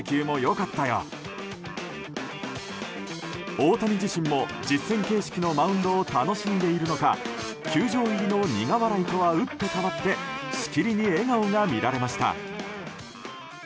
大谷自身も実戦形式のマウンドを楽しんでいるのか球場入りの苦笑いとは打って変わってしきりに笑顔が見られました。